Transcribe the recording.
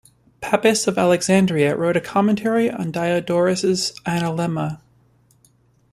Pappus of Alexandria wrote a Commentary on Diodorus's "Analemma".